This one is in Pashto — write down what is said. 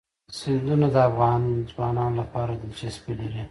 سیندونه د افغان ځوانانو لپاره دلچسپي لري.